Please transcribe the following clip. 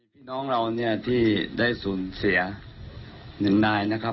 พี่น้องเราเนี่ยที่ได้สูญเสียหนึ่งนายนะครับ